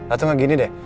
atau gak gini deh